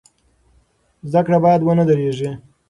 زده کړه باید ونه دریږي.